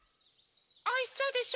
おいしそうでしょ？